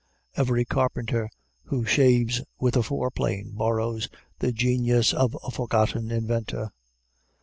Every carpenter who shaves with a foreplane borrows the genius of a forgotten inventor.